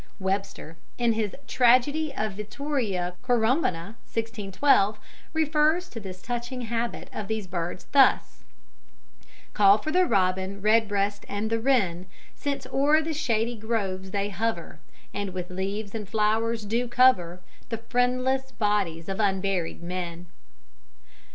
Webster, in his Tragedy of Vittoria Corombona (1612), refers to this touching habit of these birds thus: "Call for the robin redbreast and the wren, Since o'er the shady groves they hover, And with leaves and flowers do cover The friendless bodies of unburied men."